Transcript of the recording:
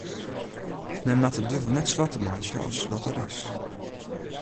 Men moat de duvel net swarter meitsje as dat er is.